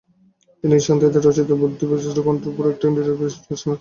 তিনি শান্তিদেব রচিত বোধিসত্ত্বচর্যাবতার গ্রন্থের ওপর একটি টীকাভাষ্য রচনা করেন।